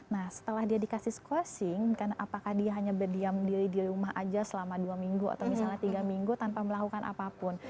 nah setelah dia dikasih squasing kan apakah dia hanya berdiam diri di rumah aja selama dua minggu atau misalnya tiga minggu tanpa melakukan apapun